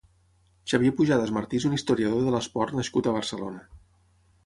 Xavier Pujadas Martí és un historiador de l'esport nascut a Barcelona.